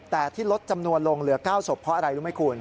แต่ที่ลดจำนวนลงเหลือ๙ศพเพราะอะไรรู้ไหมคุณ